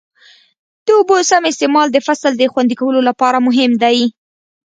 د اوبو سم استعمال د فصل د خوندي کولو لپاره مهم دی.